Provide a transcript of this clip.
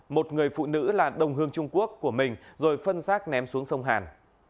một người phụ nữ là đồng hương trung quốc của mình rồi phân xác ném xuống sông hàn